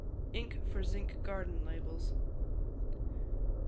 Ink for Zinc Garden Labels.